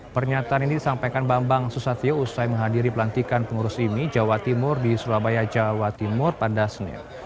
pernyataan ini disampaikan bambang susatyo usai menghadiri pelantikan pengurus ini jawa timur di surabaya jawa timur pada senin